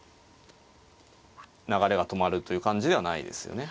流れが止まるという感じではないですよね。